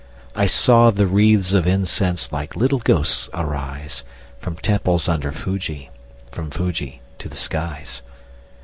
I saw the wreathes of incense Like little ghosts arise, From temples under Fuji, From Fuji to the skies.